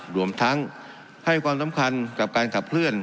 รวมทั้งให้ความสำคัญกับการขับเคลื่อน